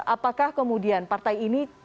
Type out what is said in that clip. apakah kemudian partai ini